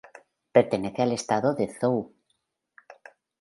Pertenece al estado de Zou.